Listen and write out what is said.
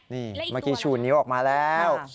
เมื่อกี้ฉูนนิ้วออกมาแล้ว